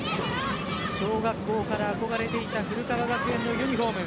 小学校から憧れていた古川学園のユニホーム。